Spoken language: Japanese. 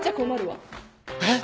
えっ？